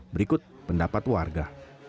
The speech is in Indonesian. berikut pendapat warga